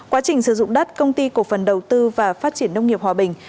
quá trình sử dụng đất công ty cổ phần đầu tư và phát triển nông nghiệp hòa bình